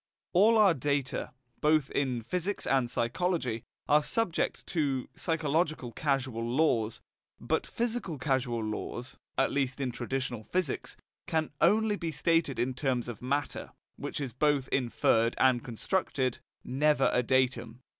All our data, both in physics and psychology, are subject to psychological causal laws; but physical causal laws, at least in traditional physics, can only be stated in terms of matter, which is both inferred and constructed, never a datum.